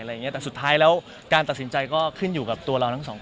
แต่สุดท้ายแล้วการตัดสินใจก็ขึ้นอยู่กับตัวเราทั้งสองคน